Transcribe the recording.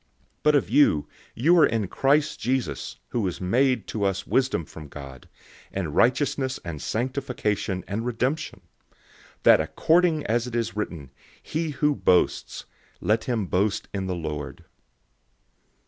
001:030 But of him, you are in Christ Jesus, who was made to us wisdom from God, and righteousness and sanctification, and redemption: 001:031 that, according as it is written, "He who boasts, let him boast in the Lord."